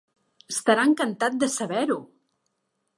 Estarà encantat de saber-ho!